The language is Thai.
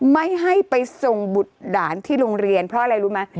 ไม่ให้ไปส่งบุตรด่านที่โรงเรียนเพราะอะไรรู้ไหม